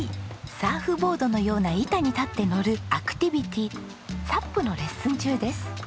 サーフボードのような板に立って乗るアクティビティＳＵＰのレッスン中です。